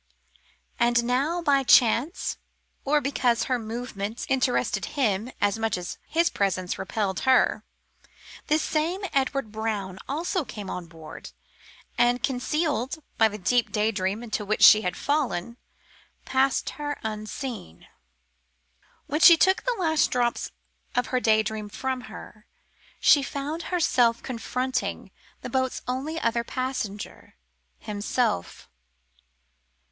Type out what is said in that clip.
And now by chance, or because her movements interested him as much as his presence repelled her, this same Edward Brown also came on board, and, concealed by the deep daydream into which she had fallen, passed her unseen. When she shook the last drops of the daydream from her, she found herself confronting the boat's only other passenger himself.